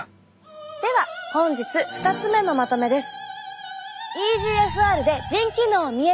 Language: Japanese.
では本日２つ目のまとめです。